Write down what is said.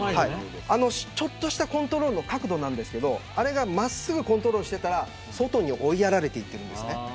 ちょっとしたコントロールの角度ですがあれが真っすぐコントロールしていたら外に追いやられているんです。